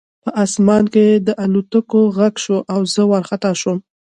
په آسمان کې د الوتکو غږ شو او زه وارخطا شوم